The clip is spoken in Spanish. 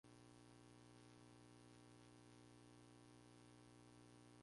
Suele ser autobiográfico.